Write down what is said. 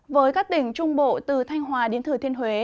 với các tỉnh trung bộ từ thanh hòa đến thừa thiên huế